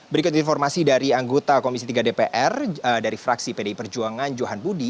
berikut informasi dari anggota komisi tiga dpr dari fraksi pdi perjuangan johan budi